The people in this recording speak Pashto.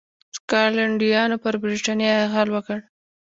سکاټلنډیانو پر برېټانیا یرغل وکړ.